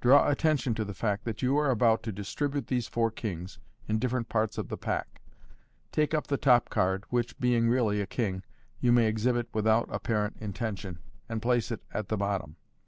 Draw attention to the fact that you are about to distribute these four kings in different parts of the pack. Take up the top card, which, being really a king, you may exhibit without apparent intention, and place it at the bottom.